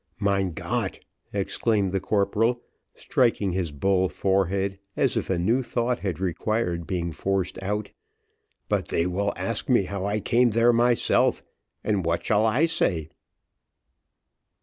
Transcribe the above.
"Mein Gott!" exclaimed the corporal, striking his bull forehead as if a new thought had required being forced out, "but they will ask me how I came there myself, and what shall I say?"